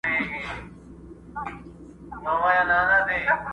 غلامي مي دا یوه شېبه رخصت کړه!.